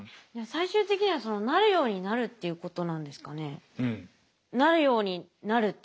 最終的にはなるようになるっていうことなんですかね？